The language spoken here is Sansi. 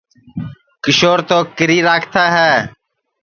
کیشور تو کیری راکھتا ہے